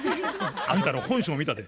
あんたの本性を見たで。